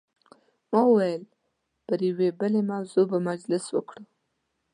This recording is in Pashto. ما وویل پر یوې بلې موضوع به مجلس وکړو.